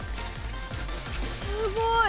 すごい。